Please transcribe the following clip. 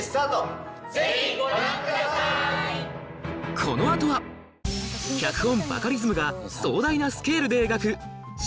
この後は脚本・バカリズムが壮大なスケールで描く新